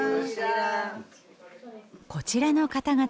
こちらの方々